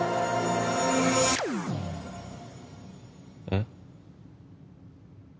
えっ？